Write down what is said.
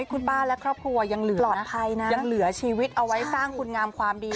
ที่คุณป้าและครอบครัวยังเหลือชีวิตเอาไว้สร้างคุณงามความดี